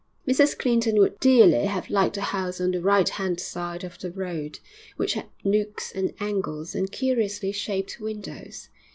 Mrs Clinton would dearly have liked a house on the right hand side of the road, which had nooks and angles and curiously shaped windows.